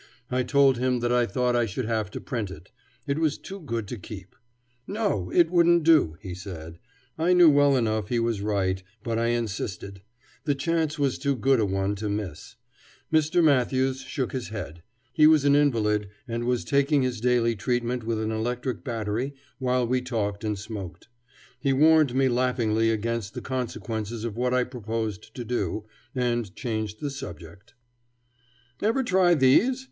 I told him that I thought I should have to print it; it was too good to keep. No, it wouldn't do, he said. I knew well enough he was right, but I insisted; the chance was too good a one to miss. Mr. Matthews shook his head. He was an invalid, and was taking his daily treatment with an electric battery while we talked and smoked. He warned me laughingly against the consequences of what I proposed to do, and changed the subject. "Ever try these?"